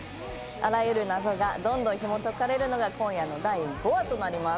あらゆるなぞがどんどんひもとかれるのが今夜の第５話となります。